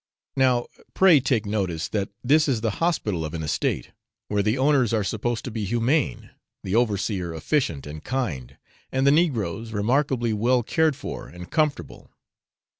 Now, pray take notice, that this is the hospital of an estate, where the owners are supposed to be humane, the overseer efficient and kind, and the negroes, remarkably well cared for and comfortable.